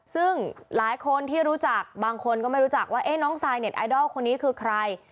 ซึ่งหลายคนที่รู้จักบางคนก็ไม่รู้จักว่าน้องซายเน็ตไอดอลคนนี้คือใคร